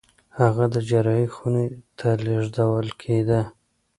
هغه د جراحي خونې ته لېږدول کېده.